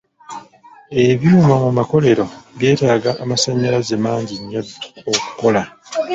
Ebyuma mu makolero byetaaga amasannyalaze mangi nnyo okukola.